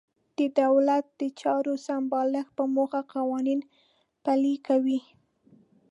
د دولت د چارو سمبالښت په موخه قوانین پلي کوي.